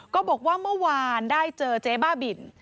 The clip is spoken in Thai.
ก็บอกว่าเมื่อวานได้เจอเจ๊บ้าบิน